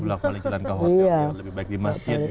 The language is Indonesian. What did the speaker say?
balik balik jalan ke hotel lebih baik di masjid gitu ya